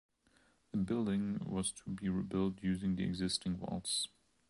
The building was to be rebuilt using the existing walls.